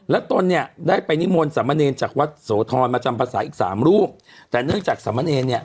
รักจรเนี้ยได้ไปนิยมณ์สามันเนยนจากวัดโสทรมาจำภาษาอีกสามลูกแต่เนื่องจากสามันเนยนเนี่ย